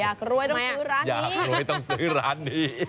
อยากรวยต้องซื้อร้านนี้